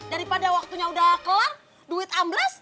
daripada waktunya udah kelar duit ambles